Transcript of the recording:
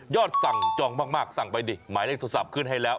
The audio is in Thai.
สั่งจองมากสั่งไปดิหมายเลขโทรศัพท์ขึ้นให้แล้ว